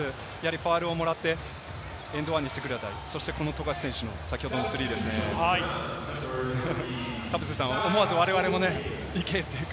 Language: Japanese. ファウルをもらって、エンドワンにしてくるあたり、そしてこの富樫選手も先ほどのスリーですね、田臥さん、思わず我々もね、行け！って。